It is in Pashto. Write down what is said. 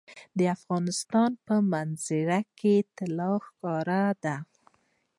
د افغانستان په منظره کې طلا ښکاره ده.